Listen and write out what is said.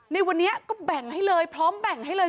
ในวันนี้ก็แบ่งให้เลยพร้อมแบ่งให้เลย